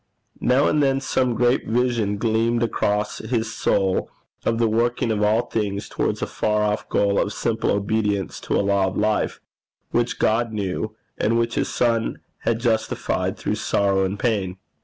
Now and then some great vision gleamed across his soul of the working of all things towards a far off goal of simple obedience to a law of life, which God knew, and which his son had justified through sorrow and pain.